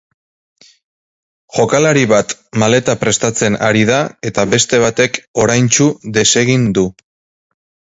Jokalari bat maleta prestatzen ari da eta beste batek oraintsu desegin du.